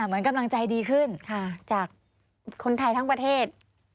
เหมือนกำลังใจดีขึ้นจากคนไทยทั้งประเทศ